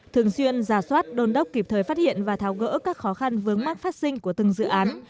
thường xuyên giả soát đôn đốc kịp thời phát hiện và tháo gỡ các khó khăn vướng mắc phát sinh của từng dự án